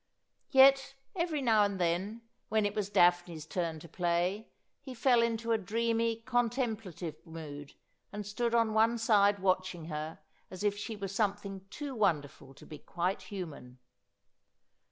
Yet every now and then, when it was Daphne's turn to play, he fell into a dreamy con templative mood, and stood on one side watching her as if she were something too wonderful to be quite human.